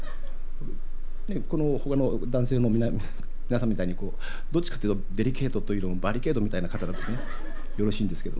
ねえこのほかの男性の皆さんみたいにどっちかっていうとデリケートというよりもバリケードみたいな方だとねよろしいんですけど。